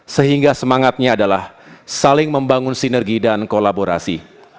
sehingga semangatnya adalah saling membangun sinergi dan kolaborasi